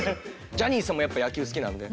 ジャニーさんもやっぱ野球好きなので。